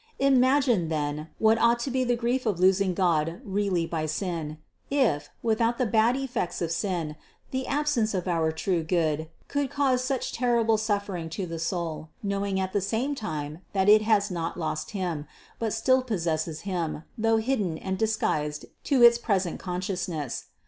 687. Imagine then, what ought to be the grief of losing God really by sin, if, without the bad effects of sin, the absence of our true Good could cause such terrible suffer ing to the soul, knowing at the same time, that it has not lost Him, but still possesses Him, though hidden and dis guised to its present consciousness.